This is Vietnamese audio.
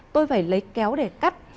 tôi phải lấy kéo để cắt